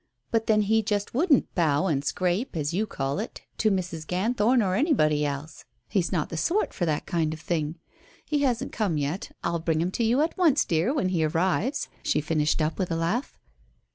"But then he just wouldn't 'bow and scrape,' as you call it, to Mrs. Ganthorn or anybody else. He's not the sort for that kind of thing. He hasn't come yet. I'll bring him to you at once, dear, when he arrives," she finished up with a laugh.